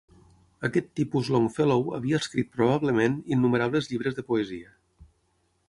Aquest tipus Longfellow havia escrit probablement innumerables llibres de poesia.